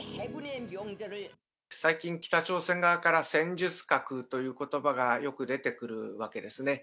最近、北朝鮮側から、戦術核ということばがよく出てくるわけですね。